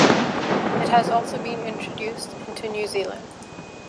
It has also been introduced into New Zealand.